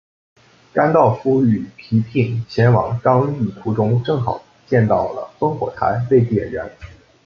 甘道夫与皮聘前往刚铎途中正好见到了烽火台被点燃。